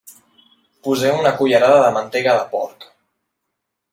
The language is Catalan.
Poseu una cullerada de mantega de porc.